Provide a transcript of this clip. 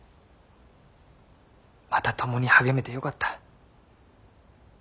また共に励めてよかった。